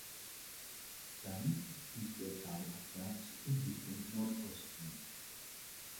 Dann fließt er talabwärts in Richtung Nordosten.